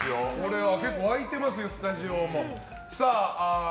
沸いてます、スタジオも。